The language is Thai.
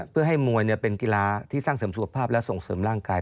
เพื่อให้มวยเป็นกีฬาที่สร้างเสริมสุขภาพและส่งเสริมร่างกาย